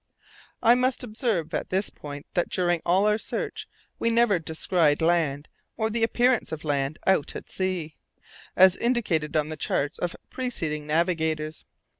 I must observe at this point that during all our search we never descried land or the appearance of land out at sea, as indicated on the charts of preceding navigators.